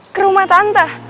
ke rumah tante